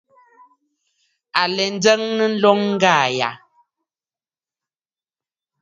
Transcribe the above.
À lɛ njəŋnə nloŋ ŋgaa yàà.